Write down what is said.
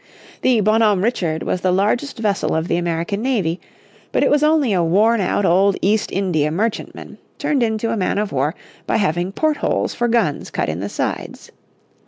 The Bonhomme Richard was the largest vessel of the American navy, but it was only a worn out old East India merchantman, turned into a man of war by having portholes for guns cut in the sides.